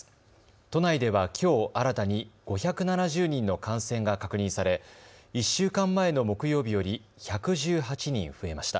都内ではきょう新たに５７０人の感染が確認され１週間前の木曜日より１１８人増えました。